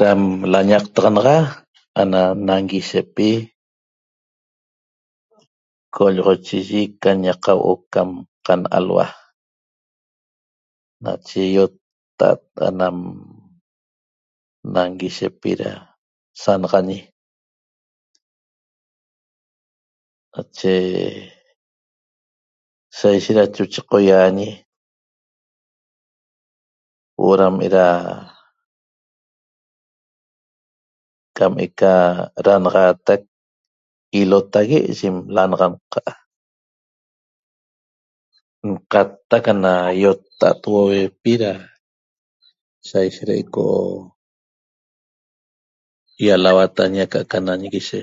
Dam lañactaxanaxac ana nanguishepi qolloxochiyi ca ñaq ca huo'o can cam alhua nache i'ottac anam nanguishepi da sanaxañi nache sa ishet da choche qoyaxañi huo'o da ime da cam eca damaxaatac ilotague yim lanaxanqa' qataq ana yottap huohuepi da sa ishet da eco' yalauatañi aca'aca nanguishe